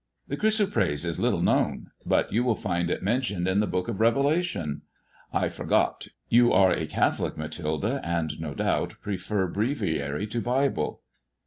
" The chrysoprase is little known. But you will find it mentioned in the Book of Eevelation — I forgot — you are a Catholic, Mathilde, and, no doubt, prefer breviary to Bible."